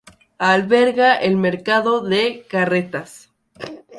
Alberga el Mercado de Carretas.